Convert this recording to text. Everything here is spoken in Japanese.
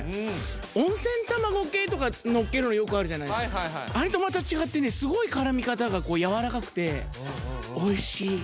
温泉卵系とかのっけるのよくあるじゃないですかあれとまた違ってねすごいおいしい・